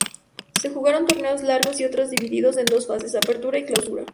Se jugaron "torneos largos" y otros divididos en dos fases: Apertura y Clausura.